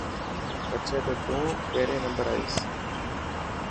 پڇي ته تون پهريون نمبر آئين.